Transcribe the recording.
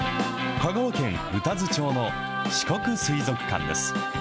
香川県宇多津町の四国水族館です。